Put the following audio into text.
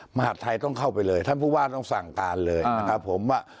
มหาดไทยต้องเข้าไปเลยท่านผู้ว่าต้องสั่งการเลยนะครับผมว่า